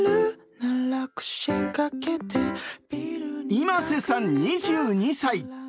ｉｍａｓｅさん、２２歳。